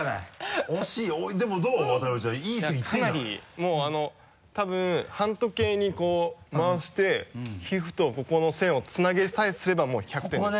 もう多分反時計にこう回して皮膚とここの線をつなげさえすればもう１００点です。